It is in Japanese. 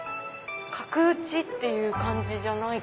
角打ちっていう感じじゃない。